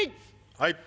はい。